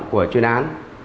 của chuyên án